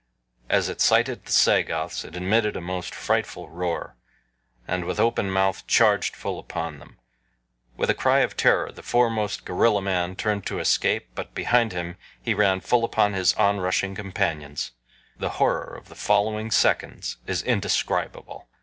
As it sighted the Sagoths it emitted a most frightful roar, and with open mouth charged full upon them. With a cry of terror the foremost gorilla man turned to escape, but behind him he ran full upon his on rushing companions. The horror of the following seconds is indescribable.